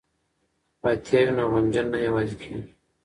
که فاتحه وي نو غمجن نه یوازې کیږي.